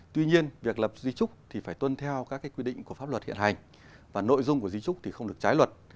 tuy nhiên việc lập di trúc thì phải tuân theo các quy định của pháp luật hiện hành và nội dung của di trúc thì không được trái luật